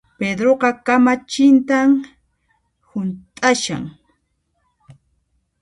Pedroqa kamachintan hunt'ashan